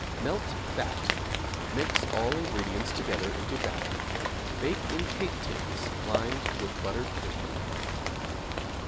Melt fat, mix all ingredients together into batter; bake in cake tins lined with buttered paper.